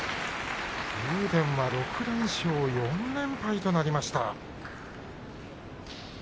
竜電は６連勝４連敗となりました。